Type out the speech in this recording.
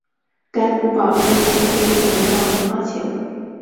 该古堡之基地形状为方形。